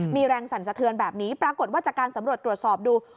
มีแรงสั่นสะเทือนแบบนี้ปรากฏว่าจากการสำรวจตรวจสอบดู